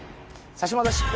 差し戻し。